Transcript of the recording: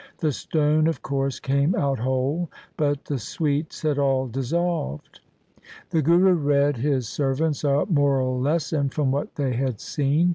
The stone of course came out whole, but the sweets had all dissolved. The Guru read his servants a moral lesson from what they had seen.